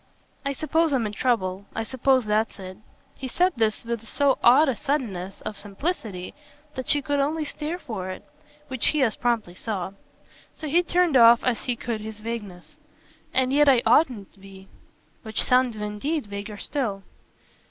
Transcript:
I suppose I'm in trouble I suppose that's it." He said this with so odd a suddenness of simplicity that she could only stare for it which he as promptly saw. So he turned off as he could his vagueness. "And yet I oughtn't to be." Which sounded indeed vaguer still.